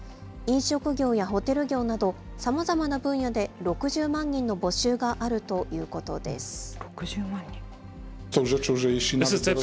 飲食業やホテル業など、さまざまな分野で６０万人の募集があるということです。